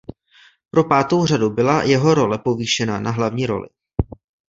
Pro pátou řadu byla jeho role povýšena na hlavní roli.